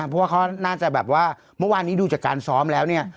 เพราะว่าเขาน่าจะแบบว่าเมื่อวานนี้ดูจากการซ้อมแล้วเนี่ย